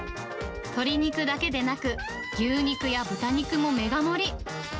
鶏肉だけでなく、牛肉や豚肉もメガ盛り。